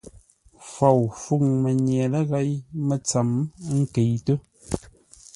Fou fûŋ mənye ləghěi mətsəm ńkə́itə́.